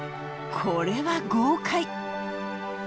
これは豪快。